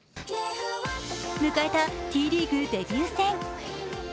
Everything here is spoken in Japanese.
迎えたＴリーグデビュー戦。